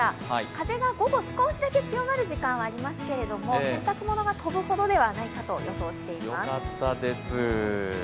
風が午後少しだけ強まる時間がありますけれども、洗濯物が飛ぶほどではないと予想しています。